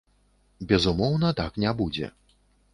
Безумоўна, так не будзе.